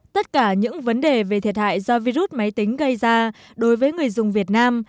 tất cả những vấn đề về thiệt hại do virus máy tính gây ra đối với người dùng việt nam